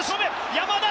山田！